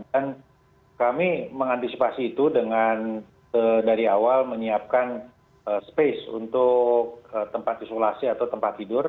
dan kami mengantisipasi itu dengan dari awal menyiapkan space untuk tempat isolasi atau tempat tidur